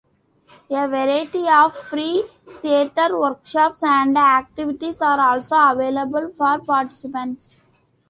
A variety of free theatre workshops and activities are also available for participants.